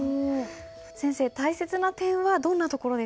先生大切な点はどんなところですか？